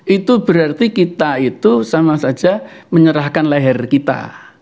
itu berarti kita itu sama saja menyerahkan leher kita